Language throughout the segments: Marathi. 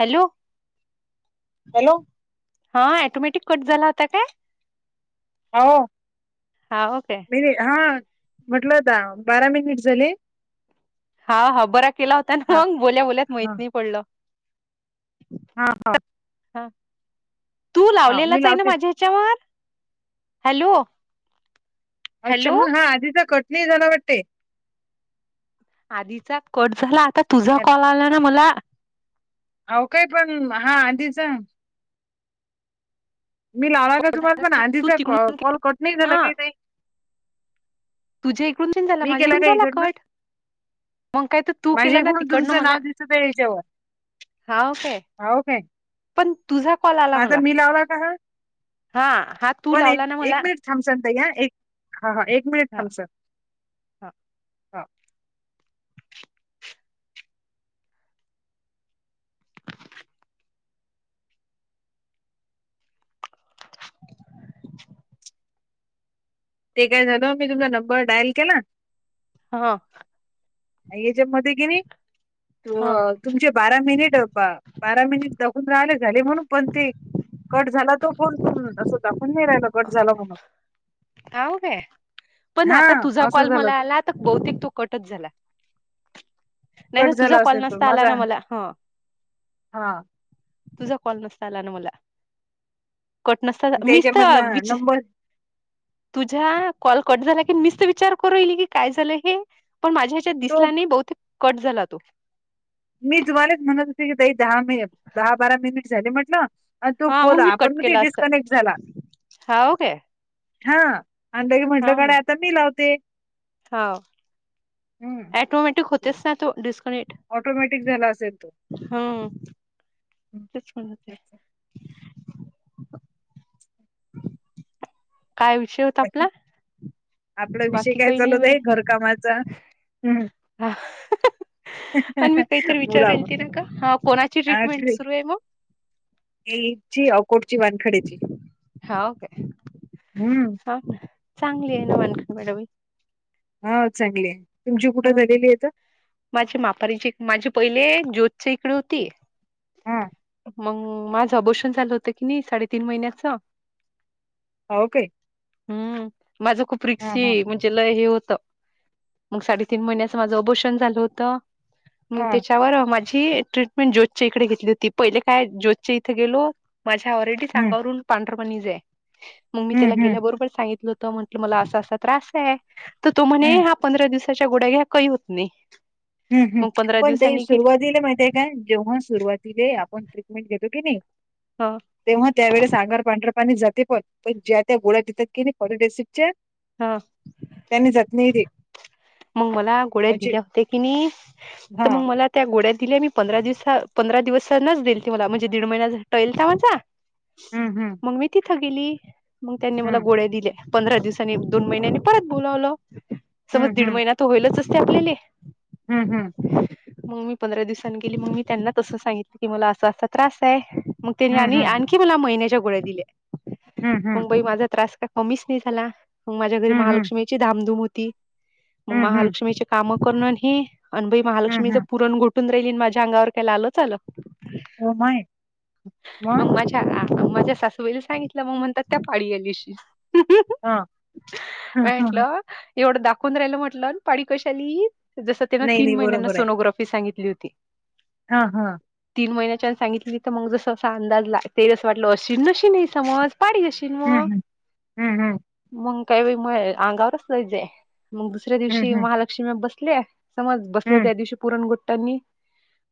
हॅलो हॅलो हा ॲटोमॅटिक कट झाला होता काय? हो हा ओके मि हा म्हटलं होत बारा मिनिट झाले हा हा बरा केला होता आणि हा मग बोल्या बोल्यात माहत हा नाही पडलं हा हा हा तू हा मी लावलेलाच आहे ना लावते माझ्या च्यावर हॅलो अच्छा हॅलो मग हा आधीचा कट नाही झाला वाटते. आधीचा कट झाला आता तुझा कॉल आला ना मला अव काय पण हा आधीच मी लावाला का तुम्हाला पण तू आधीचा तिकडून कॉल कट नाही झालं हा क ते तुझ्या इकडून चेन झाला मी माझ्या केला इकडून का झाला इकडनं कट मग काय तर तू माझ्या केलं ना एकूण तिकडन तुमचं मला नाव दिसत हवं काय हाव काय? पण तुझा कॉल आला माझा मला मी लावला का हा हा, हा तू लावला ना मला. थांबच या एक हा ह एक मिनिट हा थांबच. [unintelligible] ते काय झालं मी तुमचा नंबर डायल केला. हा. याच्या मध्ये किनी तू. हा तुमचे बारा मिनिट बारा मिनिट दगून राहाले झाले म्हणून पण ते. कट झाला तो फोन पण, अस दाखून नाही राहिला कट झाला म्हणून हव का पण हा आता तुझा कॉल असं झालं मला ते आला, आता बहतेक तो कटच झाला नाही ना कट झाला तुझा कॉल असेल तो नसता आला ना माझा मला ह हा तुझा कॉल नसता आला ना मला कट नसता मीस तर त्याच्यामधला विच नंबर तुझा कॉल कट झाला की मी विचार करून राहिली की काय झालं हे पण माझ्या तो दिसला नाही बहुते कट झाला तो मी तुम्हालाच म्हणत होते की तई दहा मि दहा बारा मिनिट झाले म्हटलं. आणि तू हा मग फोन मी कट आपण कती केला असता डिस्कनेक्ट झाला. हाव काय [inaudible] हा, आणिंदे म्हटलं काडे आता मी लावते- हा. [inaudible] हम्. अटोमॅटिक होतेस ना तो डिस्कनेक्ट. ऑटोमॅटिक झाला असेल तो. हम्म [inaudible] हं, तेच पण होते. काय विषय होता बाकी आपला? आपला विषय बाकी काय काही चालु नाही होता बाई घरकामाचा. हं. हा. [unintelligible] आणि मी काहीतरी विचार मुलाब ना का कोणाची ट्रीटमेंट सुरू आहे मग. एची अकोटची वानखडेची हाव काय हम्म. [unintelligible] चांगली आहे ना मानख मॅडवी. हा चांगली आहे तुमची कुठं झालेली आहे तर. माझे मापारीची माझे पहिले ज्योतच इकडे होती. हा. मग माझं ऑबोशन झालं होतं की नाही साडेतीन महिन्याच. ह ओकाे. हम्म माझ खूप हा रिक्षी म्हणजे. ते लय हे होत मग साडेतीीन महिन्याच माझं अपोषण झालं होत. मग हा त्याच्यावर अ माझी ट्रीटमेंट ज्योतचे इकडे घेतली होती पहिले काय ज्योतचे इथे गेलो. माझ्या ऑलरेडी हम्म सांगावरून पांढरपणी ज आहे मग मी हम्म त्याला हम्म गेल्याबरोबर सांगितलं. त म्हंटलं मला असा असा त्रास आहे तर तो म्हणे हम्म ह्या पंधरा दिवसाच्या गोड्या घ्या काही होत नाही. हम् हम मग पंधरा पण ते दिवसांनी गेली सुरुवातीला माहिती. नाही जेव्हा सुरुवातीला आपण ट्रीटमेंट घेतो की नाही. हां. तेव्हा त्यावेळेस आगर पांढर पाणी जाते पण ज्या त्या गोळ्या देतात की नाही परडेसिच्या. हा. त्यांनी जत नाहीली. मग मला गोळ्या दिले होते की नाही हा तर मग मला. त्या गोड्या दिल्या मी पंधरा दिवसा पंधरा दिवस नच देईल ती मला म्हणजे दीड महिना टळळेल त्या माझा. हम्म हम्म. मग मी तिथं गेली मग त्यांनी मला हम्म गोळ्या दिले. पंधरा दिवसांनी दोन महिन्यांनी परत बोलावलं स. हम्म ते होईलच असते आपल्या. हम्म हम्. मग मी पंधरा दिवसांनी गेली मग मी त्यांनाच असं सांगितलं की मला असा असा त्रास आहे. मग हम्म हम्म त्यानी आणखी मला महिन्याच्या गोळ्या दिल्या हम्म हम्म मग बई माझा त्रास का म्मीच नाही झाला मग माझ्या घरी हम्म हम्म हम्म महालक्ष्मीची धामधूम होती. मग हम्म हम्म महालक्ष्मीचे काम करण हे अनुभय हम्म महालक्ष्मीच हम्म पुरण गोट. चंद्रेलीन माझ्या अंगावर काय लालच आल चल. हो माय म. मग माझ्या माझ्या सासवाईला सांगितलं मग म्हणतात त्या पाळीयालीशी. [unintelligible] हां, हां, हां, हां. माटलं एवढं दा. पंधराला म्हटलं पाडी कशाली जसं त्यान नाही, तीन नाही महिन्यांना बरोबर सोनोग्राफी सांगितली होती. हा हा. तीन महिन्याच्यान सांगितली तर मग जस असा अंदाज ला ते जसं वाटलं अशी नशी नाही समज पाडी जशी. हं, म हं. हं, हं. मग काही मग अंगावरच जायच मग दुसऱ्या हं, दिवशी हं. महालक्ष्मी बसल्या समज बसले हं, त्या दिवशी पुरण गोट्टांनी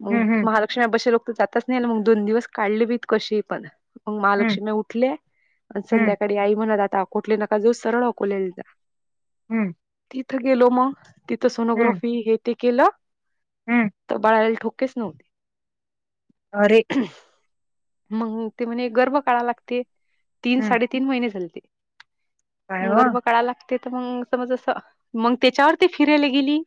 मग हं, हं. महालक्ष्मीबे लोक तर जातच नाही ना मग दोन दिवस काढले बी कशी पण मग हं, महालक्ष्मी उठले आणि हं, संध्याकाळी आई म्हणत आता अकोटले नका जऊ सरळ अकोलेल हम्म तिथं गेलो मग तिथं हं, सोनोग्राफी हे ते केलं हं. तर बाळायला ठोकेच नव्हते. अरे मग ते म्ह गर्भ काळा लागते तीन हं. साडेत तीन. तीन काय महि हो? गर्भ काळा लागते तर म समज मग त्याच्यावरती फिरायला गेली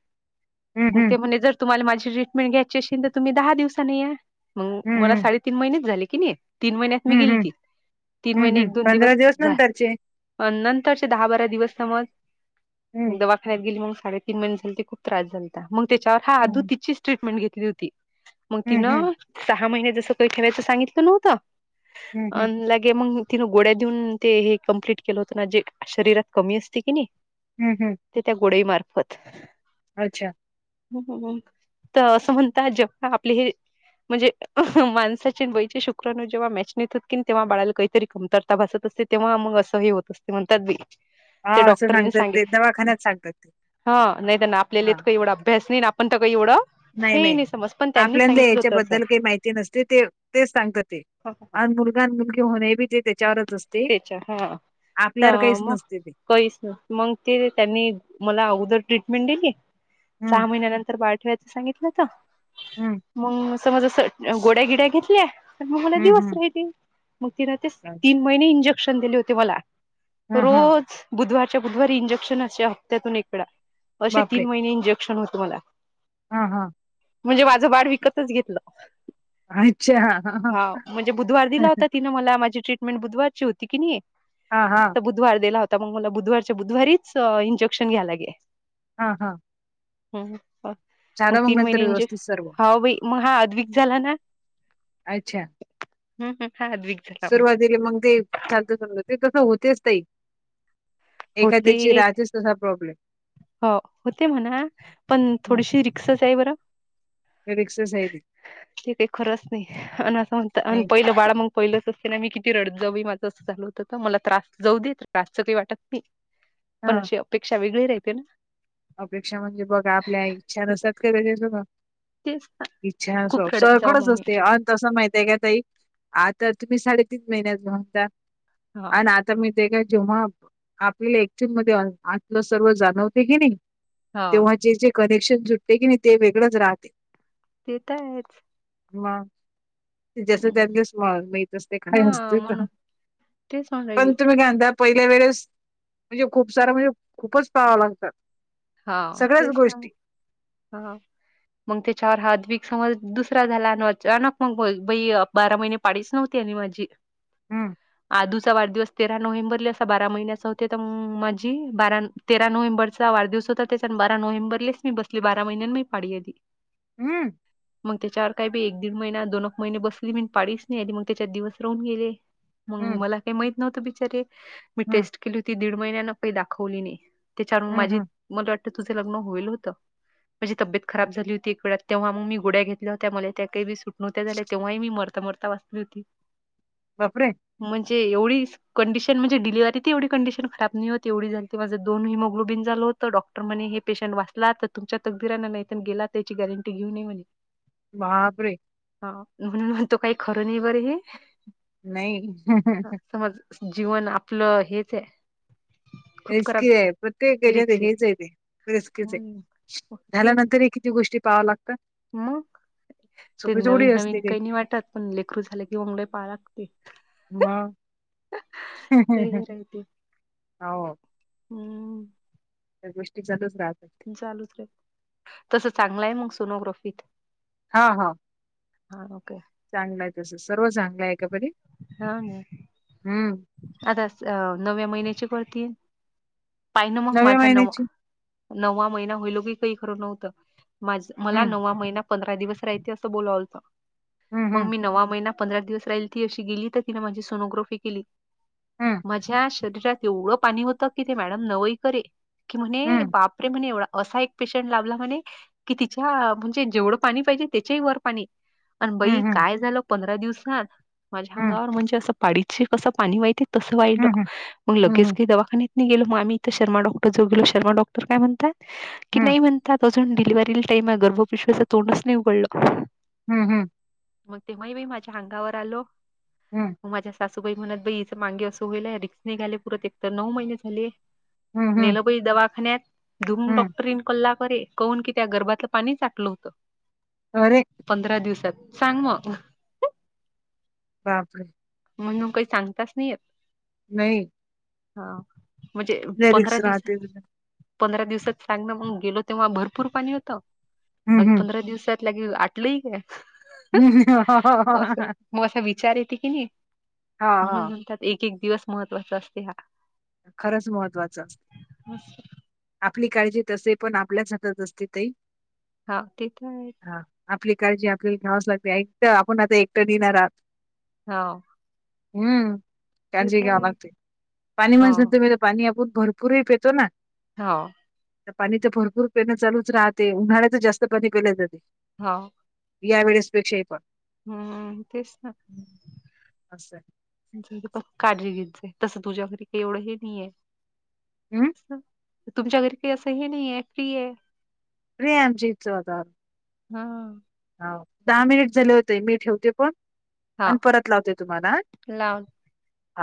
हं, मग हं. ते म्हणे जट तुम्हाला माझी ट्रीटमेंट घ्यायची अशी तर तुम्ही दहा दिवसा नाही या मग हं, मला हं. साडेतीन महिनेच झाले की नाही. तीन महिन्यात मी हं, हं. गेलती तीन हं, महिने हं. एक दोन दिवस जा. नंतरचे दहा बारा दिवस समज हं, दवाखाण्यात गेली मग साडेतीन महिने झा ते खूप त्रास झाला. मग त्याच्यावर हा आधू हं. तिचीच ट्रीटमेंट घेतली होती मग हं, हं. तिनं सहा महिने जसं काही ठेवायचं सांगितलं नव्हतं हं, अ हं. लगे मग तिन गोळ्या देऊन ते हे कमप्लित केलं होतं ना जे शरीरात कमी असते की नाही‌. हूम हं ते त्या गोडई मार्फत. अच्छा तर असं म्हणतात जेव्हा आपले हे म्हणजे माणसाचे बाईचे शुक्रनो जेव्हा मॅच नेतात कि तेव्हा बाळाला काहीतरी कमतरता भासत असते. तेव्हा मग असं ह होत असते म्हणतात बी ते हां, असं डॉक्टरी सांगतात सांगे ते दवाखान्यात सांगतात ते. हा नाही तर आपलेले हां. काही एवढा भेसनीन आपण तेवड एवढं नाही हे नाही समज पण त्यांनी आपल्याला सांगितलं होतं असं याच्याबद्दल काही माहिती नसते ते तेच सांगतात ते. हा, हा, हा. आणि मुलगा मुलगी होणे बी ते त्याच्यावरच असते. हा तर आपल्यावर काहीच मग नसते ते. कहीच ना मग ते त्यांनी मला अगोदर ट्रीटमेंट दिली हं, सहा महिनंतर बाळाच्या सांगितलं तर हं. मग समज अस गोड्या गिड्या घेतल्या मग मला हं, हं. दिवस राहिते मग तिन ते अच्छा, तीन महिने इंजेक्शन दिले होते मला. हां, हां. रोज बुधवारच्या बुधवारी इंजेक्शन अस हप्त्यातून इक वेळा. असे तीन महिने इंजेक्शन होत मला. हा हा म्हणजे माझं वाढ विकतच घेतलं अच्छा. हां, हां. हा म्हणजे बुधवार दिला हां, हां. होता तिन. मला माझी ट्रीटमेंट बुधवारची होती की नाही. हा हा बुधवार दिला होता मग मला बुधवारच्या बुधवारीच इंजेक्शन घ्यायलागे. हा हा. हम् ह. मग तीन महिन्य नंतर व्यवस्थित सर्व. इंजेक्शन मग हा आद्विक झाला ना. हम्म हम् हवी. सुरुवातीली मग ते झालत समद ते तसं होतेच तई. एखाद्याची होते राहतेच तसा प्रॉब्लेम. हो होते म्हणा पण हं. थोडीशी रिकसच आहे बरं. रिक्सच आहे ती. [inaudible] ते काही खरंच नाही आणि असं म्हणत नाही पहिलं बाळा मग. पहिलंच असते ना मी किती रडत जऊ माझं असं झालं होतं तर मला त्रास जाऊ दे त्रासच काही वाटतात. पण हां. अशी अपेक्षा वेगळी राहते ना. अपेक्षा म्हणजे बघा आपल्या इच्छा नसतात का त्याच्यातु. तेच ना [inaudible] इच्छा खूप सोब रडत जाऊ सगळंच मग मी असते अ तसं माहित आहे का तई‌ आता तुम्ही साडेतीन महिन्यात घन द हा आणि आता. आता मी ते का जेव्हा आपल्याला एटंग मध्ये आलं सर्व जाणवते की नाही. हा तेव्हा जे जे कनेक्शन सुटते की नाही ते वेगळंच राहते. ते तर हाय. मग जस हम्म. त्यांनीस मग मीतस ते काय असत तर. ते सांग पण राहिली. तुम्ही काय म्हणता पहिल्या वेळेस म्हणजे खूप सारा म्हणजे खूपच पाळाव लागतात. हा सगळ्याच तेच ना गोष्टी हा. [inaudible] मग त्या चवर हातक समज दुसरा झाला अचानक मग बारा महिने. पाडीच नव्हती आणि माझी. हम. अ दुसरा वाढदिवस तेरा नोव्हेंबरली असा बारा महिन्याचा होते तरग माझी बारा तेरा नोव्हेंबरचा वाढदिवस. हो त्याच्या बार नोहेंबरलेच मी बसली बारा महिन्यां मी पाडी आली. हम्म. मग त्याच्यावर काय ब एक दीड महिना दोनक महिने बसली मी पाळीच नाही आली मग त्याच्यात दिवस राहून गेले. मग हम्म मला काही माहित नव्हतं बिचारे मी हम्म टेस्ट केली होती दीड महिन्यान काही दाखवली नाही. त्याच्यावर हम्म माझी हम्म मला वाटतं तुझं लग्न होईल होतं. माझी तब्येत खराब झाली होती एक वेळा तेव्हाग मी गोड्या घेतल्या हो्या मला त्या काही सु मग नव्ह्या झा तेव्हाही मी मरता मरता वाचली होती. बापरे! म्हणजे एवढीच. कंडिशन म्हणे डिहरी तेवढ कंडिशन खब नाही हो एवीण माझ दो हिमोग्लोबिन झाल होत. डॉक्टर म्हणे हे पेशंट वाचला तर तुमच्या तकदीिराना नाही गेला त्याची गॅरंटी घेऊये म्हणे. बापरे! हा म्हणून तो काही खरं नाही बर हे, नाही समझ. [unintelligible] जीवन आपलं हेच आहे. खूप खराब रिस्की आहे प्रत्येकच्या रिक्स आहे. हेच ये. रिस्कीच आहे हम्म. मग तेच ना झाल्यानंतरही किती गोष्टी पाळाव लागतात. मग ते सोपी थोडी असते नवीन-नवीन काही नाही वाटात पण लेकरू झाले कि मंगळे पाहा लागते. मग. [unintelligible] तर गोष्टी लूच राहत. चालू तस चांगलं आहे मग सोनोग्राफीत. हा हा. हा ओके. चांगलं आहे तस सर्व चांगलं आहे का बरे. हा ह. हम्म. आता नव्या महिन्याची करती पाहि ना मग नव्या माझा नवा. महिन्याची नववा महिना होईलो की काही खरं नव्हतं माझ मला हम्म नववा महिना. पंरा दिवस रहाअचे अस बोलालतो हम्म म मी नवा महिना पंधरा दिवस राहिल ती अशी गेली तर तिने माझी सोनोग्राफी केली. हम्म माझ्या. शरीरात एवढं पाणी होतं की ते मॅडम नवई करे की म्हणे हम्म बापरे म्हणे एवढा असा एक. पेशंट लाभला म्हणे कि तिच्या म्हणजे जेवढं पाणी पाहिजे त्याच्याही वर पाणी. आणि बई हम्म हम्म काय झालं पंधरा दिवसात माझ्या हम्म अंगावर म्हणजे असं पाडीचे कसं पाणी वहिती तसं वाहिल हम्म मग लगेच हम्म की दवाखान्यात गलो मग आम्ही इथं शर्मा डक्टरऊ गलो शर्मा डॉक्टर म्हणतात की हम्म नाही म्हण आता अजून डिलिव्हरीला टाईम आहे गर्भपिशवीच तोंडच नाही उघडलं हम्म हम्म मग तेव्हा मी माझ्या अंगावर आलो हम् माझ्या सासूबाई म्हणत बाई हचं माांगे असं होईलय रिक्स निघाले पुरत एक तर नऊ महिने झाले. हम्म हम्म नेलबई दवाखान्यात धूम हम्म डॉक्टरीन कल्ला करे. कून की त्या गरबातलं पाणी चाटलं होतं. अरे. पंधरा दिवसात सांग मग आता. बापर. म्हणून काही सांगताच नाही येत. नाही. हा म्हणजे पंधरा लिरिक्स दिवस राहते हम्म पंधरा दिवसात चांगलं मग गेलो तेव्हा भरपूर पाणी होतं आणि हम्म हम्म. पंधरा दिवसात क आटल ह क असं मग असा विचारी येत की नाही हा म्हणून हा म्हणतात एक एक दिवस महत्वाचा असते. खरंच महत्वाचं. आपली काळजी तसे पण आपल्याच हातात असते. हा ते तर आहे. ह आपली काळजी आपल्याला घ्यावाच लागते एकट आपण आता एकटं देणार आहात. हा हम्म काळजी घ्यावां आहे लागते. हो म पाणी आपपूर भरपूर पेतो ना. हो पाणी तर भरपूर पेणं चालूच राहते उन्हाळ्याच जास्त पाणी पेल्याय जाते. हो या वेळेसपेक्षाही पण हम्म तेच तर. हं, असं काळजी घेतयचंय तसं तुझ्या घरी काही एवढं हे नाहीये. हम्म तुमच्या घरी काही असं हे नाही आहे फ्री आहे. फ्री यांजीच आता हा ह दहा मिनिट झाले होते मी ठेवते पण आणि हां, परत लावते तुम्हाला. लाव. हा